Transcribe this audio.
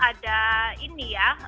ada ini ya